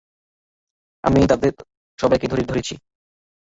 আমি তাদের সবাইকে ধরেছি।